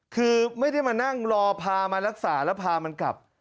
คือไม่ได้มานั่งรอพามารักษาแล้วพามันกลับ